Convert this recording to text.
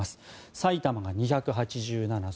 埼玉が２８７人